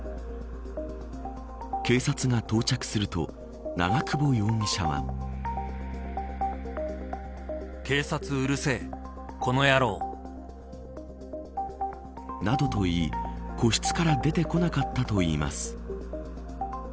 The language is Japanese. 警察が到着すると長久保容疑者は。などといい個室から出てこなかったといいます。